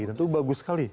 itu bagus sekali